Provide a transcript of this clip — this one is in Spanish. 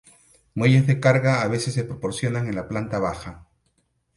Muelles de carga a veces se proporcionan en la planta baja.